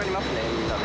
みんなで。